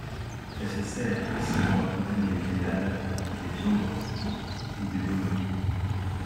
Elle se sert aussi pour accompagner des grillades, des viandes rôties ou des daubes.